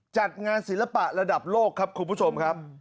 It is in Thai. จัดงานศิลปะระดับโลกครับคุณผู้ชมครับ